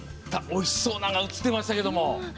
おいしそうなのが映ってましたが。